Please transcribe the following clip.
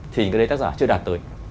thì cái đấy tác giả chưa đạt tới